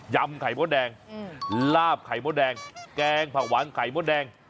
ำไข่มดแดงลาบไข่มดแดงแกงผักหวานไข่มดแดง